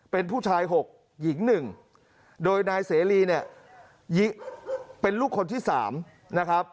เป็นผู้ชาย๖หญิง๑โดยนายเสรีเนี่ยเป็นลูกคนที่๓นะครับ